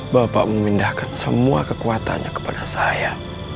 bapak memindahkan semua kekuatannya kepada saya